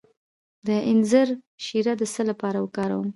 د انځر شیره د څه لپاره وکاروم؟